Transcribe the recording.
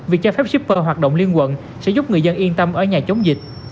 việc cho phép shipper hoạt động liên quận sẽ giúp người dân yên tâm ở nhà chống dịch